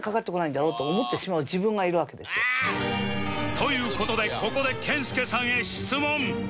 という事でここで健介さんへ質問